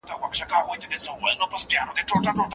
ایا ډېر چاڼ د لوړ ږغ سره دلته راوړل سو؟